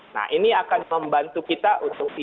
nah ini akan membantu kita untuk tidak menggunakan gadget